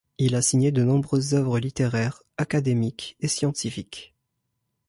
Il a signé de nombreuses œuvres littéraires, académiques et scientifiques.